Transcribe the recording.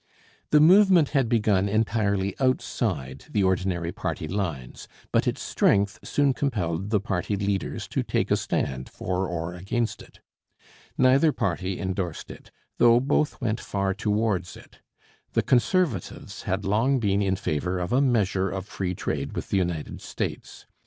The movement had begun entirely outside the ordinary party lines, but its strength soon compelled the party leaders to take a stand for or against it. Neither party endorsed it, though both went far towards it. The Conservatives had long been in favour of a measure of free trade with the United States.